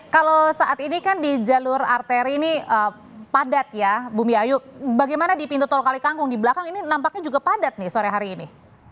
kalau saat ini kan di jalur arteri ini padat ya bu miayu bagaimana di pintu tol kalikangkung di belakang ini nampaknya juga padat nih sore hari ini